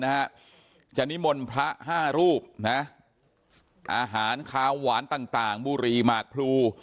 นะฮะจะนิมนต์พระห้ารูปนะอาหารขาวหวานต่างต่างบุรีหมากพลู